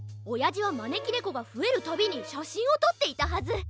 おやじはまねきねこがふえるたびにしゃしんをとっていたはず！